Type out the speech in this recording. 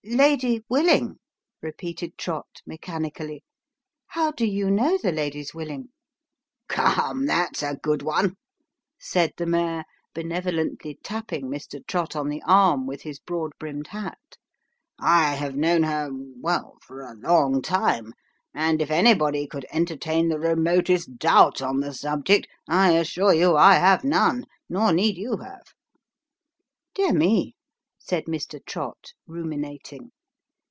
" Lady willing," repeated Trott, mechanically. " How do you know the lady's willing ?"" Come, that's a good one," said the mayor, benevolently tapping Mr. Trott on tho arm with his broad brimmed hat ;" I have known her, well, for a long time ; and if anybody could entertain tho re motest doubt on the subject, I assure you I have none, nor need you have." " Dear me !" said Mr. Trott, ruminating.